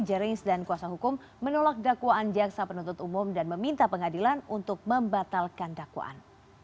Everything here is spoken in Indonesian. jerings dan kuasa hukum menolak dakwaan jaksa penuntut umum dan meminta pengadilan untuk membatalkan dakwaan